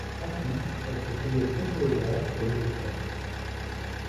Ensuite, elle se faisait très-tolérante pour le cousin.